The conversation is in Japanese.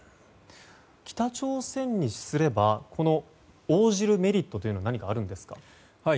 北朝鮮にすれば応じるメリットというのは何かあるんですか？